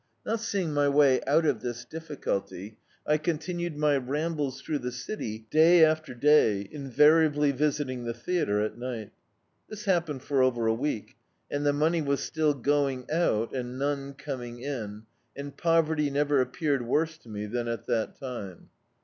Not seeing any way out of this difficulty, I continued my rambles through the city, day after day, invari ably visiting the theatre at night. Tliis happened for over a week, and the money was still going out and none coming in, and poverty never appeared worse to me than at that time.